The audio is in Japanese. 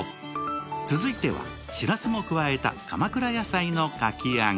続いてはしらすも加えた鎌倉野菜のかき揚げ。